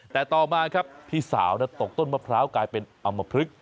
แต่ต่อมาครับพี่สาวตกต้นมะพร้าวกลายเป็นอำมพลึก